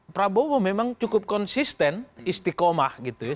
prabowo memang cukup konsisten istiqomah gitu ya